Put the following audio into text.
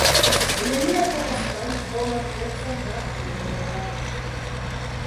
Mi neniam povas manĝi bonan pecon da meleagro.